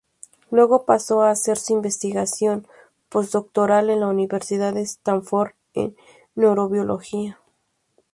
Luego pasó a hacer su investigación postdoctoral en la Universidad de Stanford en neurobiología..